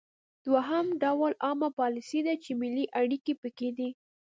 دوهم ډول عامه پالیسي ده چې ملي اړیکې پکې دي